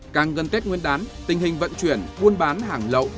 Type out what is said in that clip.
càng gần tết nguyên đán tình hình vận chuyển buôn bán hàng lậu